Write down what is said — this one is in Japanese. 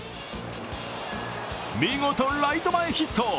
見事、ライト前ヒット。